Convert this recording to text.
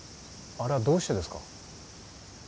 あれはどうしてですか？